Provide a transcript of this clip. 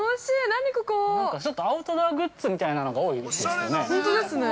◆なんかアウトドアグッズみたいなのが多いですよね。